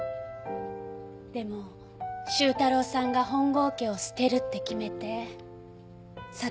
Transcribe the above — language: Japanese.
でも周太郎さんが本郷家を捨てるって決めて悟ったの。